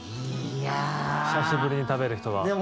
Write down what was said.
久しぶりに食べる人は。